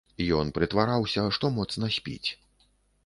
Ён прытвараўся, што моцна спіць.